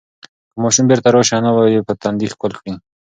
که ماشوم بیرته راشي، انا به یې په تندي ښکل کړي.